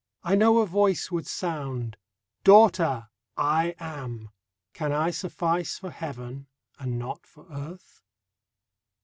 I know a Voice would sound, " Daughter, I AM. Can I suffice for Heaven, and not for earth